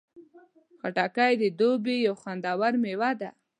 خټکی د دوبی یو خوندور میوه ده.